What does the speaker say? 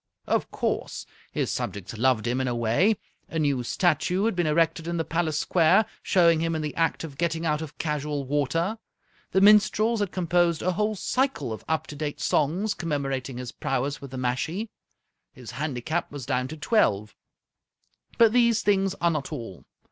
Of course, his subjects loved him in a way. A new statue had been erected in the palace square, showing him in the act of getting out of casual water. The minstrels had composed a whole cycle of up to date songs, commemorating his prowess with the mashie. His handicap was down to twelve. But these things are not all.